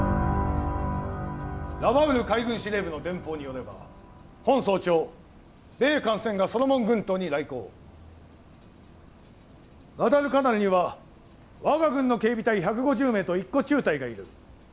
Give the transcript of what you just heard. ラバウル海軍司令部の電報によれば本早朝米艦船がソロモン群島に来攻ガダルカナルには我が軍の警備隊１５０名と１個中隊がいる。